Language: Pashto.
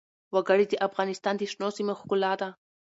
وګړي د افغانستان د شنو سیمو ښکلا ده.